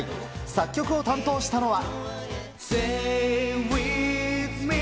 作曲を担当したのは。